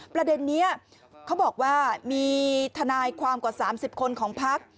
ประเด็นนี้เขาบอกว่ามีทนายความกว่า๓๐คนของพัก